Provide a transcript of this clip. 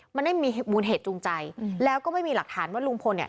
มันไม่มีมูลเหตุจูงใจแล้วก็ไม่มีหลักฐานว่าลุงพลเนี่ย